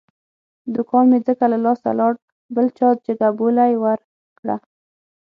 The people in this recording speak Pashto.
دوکان مې ځکه له لاسه لاړ، بل چا جگه بولۍ ور کړه.